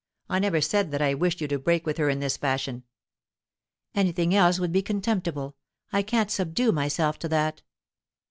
I never said that I wished you to break with her in this fashion." "Anything else would be contemptible. I can't subdue myself to that."